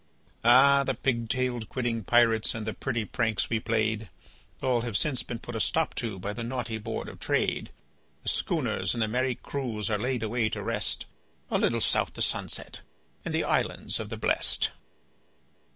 Ah! the pig tailed, quidding pirates and the pretty pranks we played, All have since been put a stop to by the naughty Board of Trade; The schooners and the merry crews are laid away to rest, A little south the sunset in the Islands of the Blest.